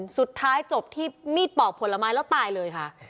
สุดท้ายจบที่มีดปอกผลไม้แล้วตายเลยค่ะ